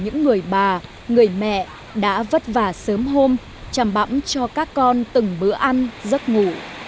những người bà người mẹ đã vất vả sớm hôm chàm bẫm cho các con từng bữa ăn giấc ngủ